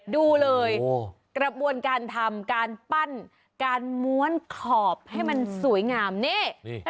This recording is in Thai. ดูเลยกระบวนการทำการปั้นการม้วนขอบให้มันสวยงามนี่